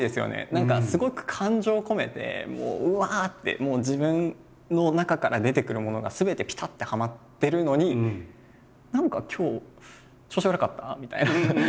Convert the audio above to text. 何かすごく感情を込めてうわってもう自分の中から出てくるものがすべてぴたってはまってるのに何か今日調子悪かった？みたいな感じになるの難しいですよね。